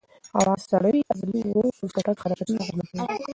هوا سړه وي، عضلې ورو او چټک حرکتونه اغېزمن کوي.